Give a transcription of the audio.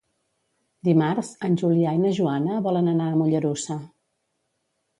Dimarts en Julià i na Joana volen anar a Mollerussa.